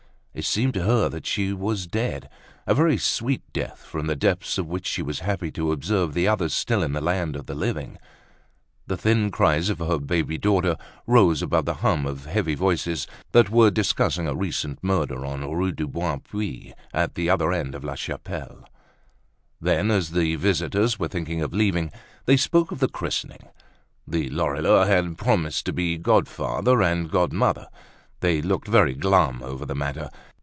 It seemed to her that she was dead, a very sweet death, from the depths of which she was happy to observe the others still in the land of the living. The thin cries of her baby daughter rose above the hum of heavy voices that were discussing a recent murder on Rue du Bon Puits, at the other end of La Chapelle. Then, as the visitors were thinking of leaving, they spoke of the christening. The Lorilleux had promised to be godfather and godmother; they looked very glum over the matter.